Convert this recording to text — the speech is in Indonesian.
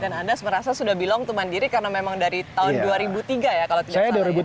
dan anda merasa sudah belong ke mandiri karena memang dari tahun dua ribu tiga